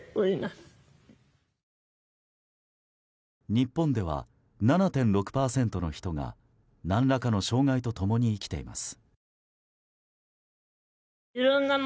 日本では７．６％の人が何らかの障害と共に生きています。